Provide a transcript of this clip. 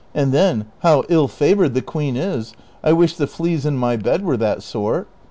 And then, how ill favored the queen is ! I wish the fleas in my bed were that sort